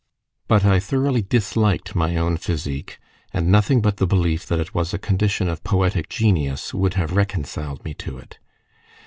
But I thoroughly disliked my own physique and nothing but the belief that it was a condition of poetic genius would have reconciled me to it.